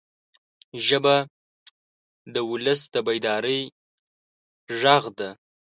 ژبه د ولس د بیدارۍ غږ ده